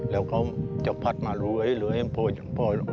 แล้วเขาจะพัดมาเรื่อย